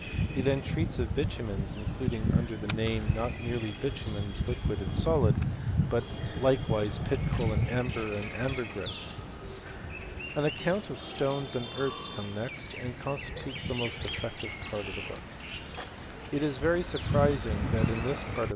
He then treats of bitumens, including under the name not merely bitu mens liquid and solid, but likewise pit coal, amber, and ambergris. An account of stones and earths comes next, and constitutes the most defective part of the book. It is very surprising that in this part of